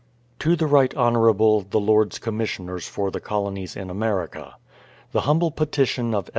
To the Right Honourable the Lords Commissioners for the Colonies in America: The humble petition of Edv.'